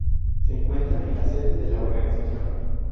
Se encuentra en la sede de la organización.